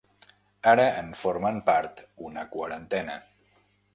Ara en formen part una quarantena.